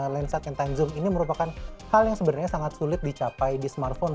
lensa sepuluh x zoom ini merupakan hal yang sebenarnya sangat sulit dicapai di smartphone